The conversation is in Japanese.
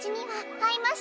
はい。